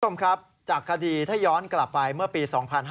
จับทรมครับถ้าย้อนกลับไปเมื่อปี๒๕๔๑